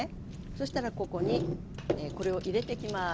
そしたらここにこれを入れてきます。